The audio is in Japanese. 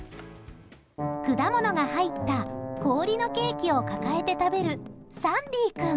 果物が入った氷のケーキを抱えて食べるサンディ君。